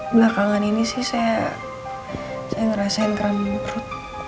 belakangan ini sih saya ngerasain kerame perut